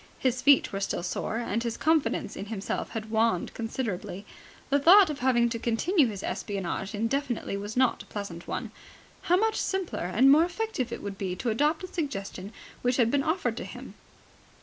His feet were still sore, and his confidence in himself had waned considerably. The thought of having to continue his espionage indefinitely was not a pleasant one. How much simpler and more effective it would be to adopt the suggestion which had been offered to him.